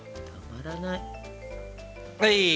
たまらない。